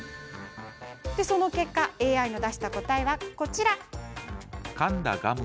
その結果、ＡＩの出した答えはこちら。